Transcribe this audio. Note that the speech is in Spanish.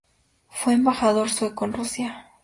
Fue embajador sueco en Rusia.